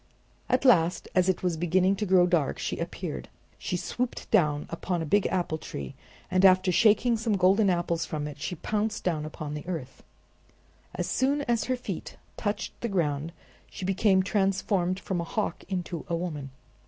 At last as it was beginning to grow dark she appeared. She swooped down upon a big apple tree, and after shaking some golden apples from it she pounced down upon the earth. As soon as her feet touched the ground she became transformed from a hawk into a woman.